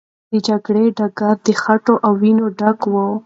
د جګړې ډګر د خټو او وینو ډک و.